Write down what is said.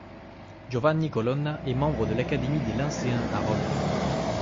Giovanni Colonna est membre de l'Académie des Lyncéens à Rome.